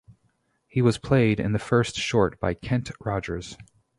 He was played in the first short by Kent Rogers.